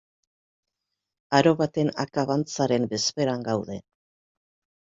Aro baten akabantzaren bezperan gaude.